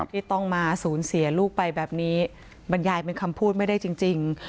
ที่ต้องมาสูญเสียลูกไปแบบนี้บรรยายเป็นคำพูดไม่ได้จริง